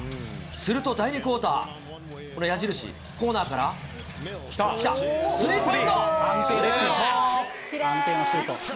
すると第２クオーター、この矢印、コーナーから、来た、スリーポイントシュート。